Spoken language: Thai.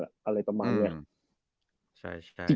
อะไรประมาณนี้